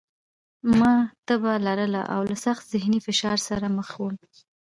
ما تبه لرله او له سخت ذهني فشار سره مخ وم